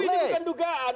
ini bukan dugaan